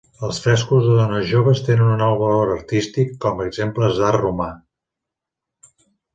Els frescos de dones joves tenen un alt valor artístic com a exemples d'art romà.